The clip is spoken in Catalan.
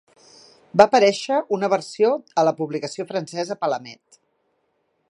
Va aparèixer una versió a la publicació francesa "Palamede".